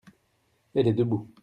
elle est debout.